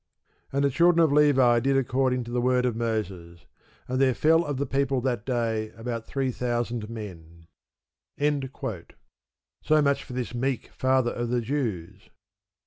And the children of Levi did according to the word of Moses; and there fell of the people that day about three thousand men. So much for this meek father of the Jews.